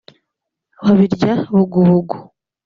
babirya bugubugu